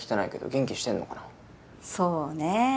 そうね。